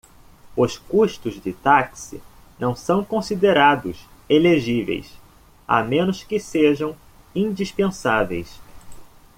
Os custos de táxi não são considerados elegíveis, a menos que sejam indispensáveis.